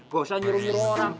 gak usah nyuruh orang